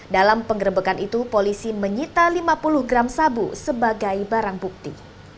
dalam penggerebekan itu polisi menyita lima puluh gram sabu sebagai barang bukti